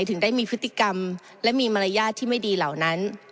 ถึงได้มีพฤติกรรมและมีมารยาทที่ไม่ดีเหล่านั้น